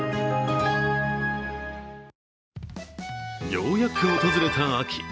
ようやく訪れた秋。